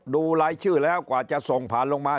ดูรายชื่อแล้วกว่าจะส่งผ่านลงมา